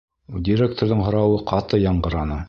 — Директорҙың һорауы ҡаты яңғыраны.